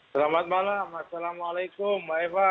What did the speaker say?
selamat malam assalamualaikum mbak eva